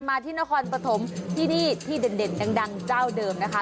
มาที่นครปฐมที่นี่ที่เด่นดังเจ้าเดิมนะคะ